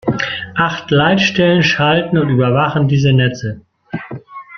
Acht Leitstellen schalten und überwachen diese Netze.